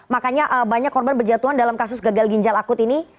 makanya banyak korban berjatuhan dalam kasus gagal ginjal akut ini